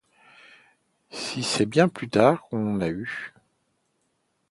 Si, c’est bien plus tard qu’on en a eu.